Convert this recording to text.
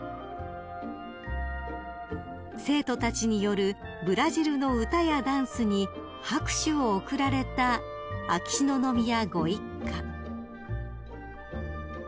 ［生徒たちによるブラジルの歌やダンスに拍手を送られた秋篠宮ご一家］